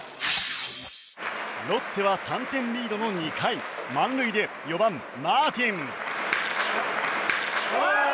ロッテは３点リードの２回満塁で４番、マーティン。